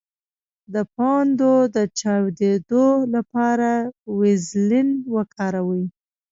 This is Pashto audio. د پوندو د چاودیدو لپاره ویزلین وکاروئ